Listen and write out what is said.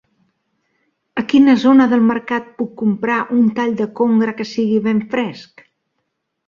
A quina zona del mercat puc comprar un tall de congre que sigui ben fresc?